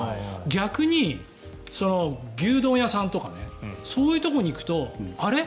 逆に牛丼屋さんとかそういうところに行くとあれ？